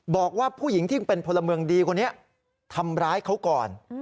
บอกว่าผู้หญิงที่เป็นพลเมืองดีคนนี้ทำร้ายเขาก่อน